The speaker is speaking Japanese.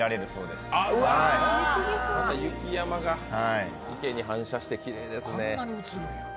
また雪山が池に反射してきれいですね。